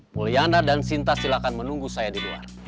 mulyana dan sinta silakan menunggu saya di luar